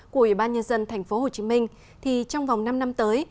của ủy ban nhân dân tp hcm thì trong vòng năm năm tới